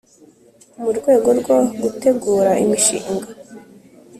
mu rwego rwo gutegura imishinga